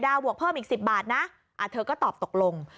บวกเพิ่มอีก๑๐บาทนะเธอก็ตอบตกลง